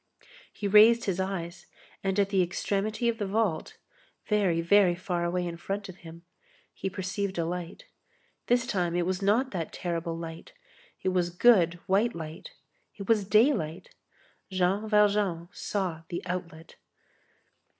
He raised his eyes, and at the extremity of the vault, far, very far away in front of him, he perceived a light. This time it was not that terrible light; it was good, white light. It was daylight. Jean Valjean saw the outlet.